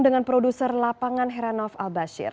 dengan produser lapangan heranov albasir